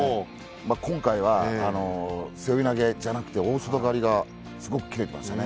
今回は背負い投げじゃなくて大外刈りがすごくキレてましたね。